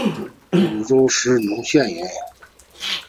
虢州弘农县人。